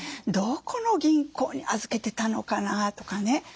どこの銀行に預けてたのかな？とかね。